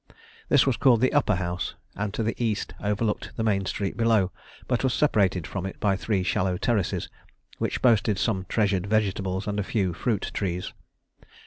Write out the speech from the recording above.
This was called the Upper House, and to the east overlooked the main street below, but was separated from it by three shallow terraces, which boasted some treasured vegetables and a few fruit trees.